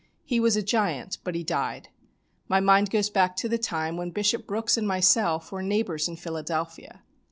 He was a giant, but he died. My mind goes back to the time when Bishop Brooks and myself were neighbours in Philadelphia.